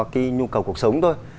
cái nhu cầu cuộc sống thôi